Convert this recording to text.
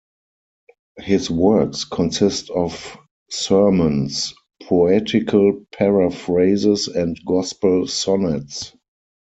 His works consist of sermons, poetical paraphrases and gospel sonnets.